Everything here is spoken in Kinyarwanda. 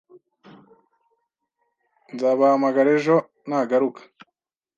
Nzabahamagara ejo nagaruka.